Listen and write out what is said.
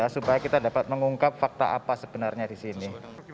supaya kita dapat mengungkap fakta apa sebenarnya di sini